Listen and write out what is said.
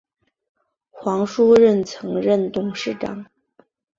黄书锐曾任董事长。